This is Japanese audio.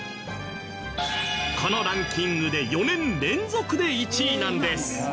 このランキングで４年連続で１位なんです。